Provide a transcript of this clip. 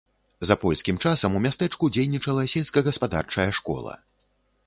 За польскім часам у мястэчку дзейнічала сельскагаспадарчая школа.